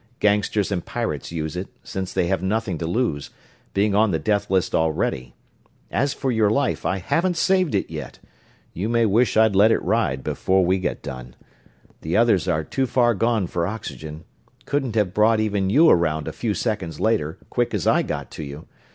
Gangsters and pirates use it, since they have nothing to lose, being on the death list already. As for your life, I haven't saved it yet you may wish I'd let it ride before we get done. The others are too far gone for oxygen couldn't have brought even you around a few seconds later, quick as I got to you.